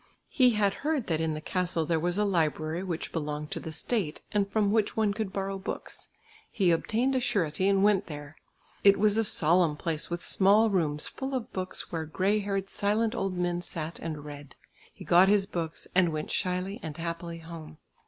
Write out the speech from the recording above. He had heard that in the castle there was a library which belonged to the State, and from which one could borrow books. He obtained a surety and went there. It was a solemn place with small rooms full of books where grey haired silent old men sat and read. He got his books and went shyly and happily home.